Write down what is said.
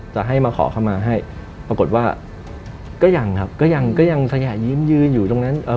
จะให้มาขอเข้ามาให้ปรากฏว่าก็ยังครับก็ยังก็ยังสยะยิ้มยืนอยู่ตรงนั้นเอ่อ